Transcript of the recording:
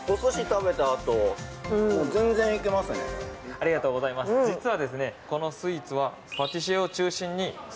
ありがとうございます実はですね